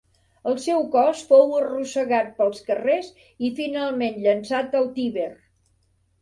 El seu cos fou arrossegat pels carrers i finalment llençat al Tíber.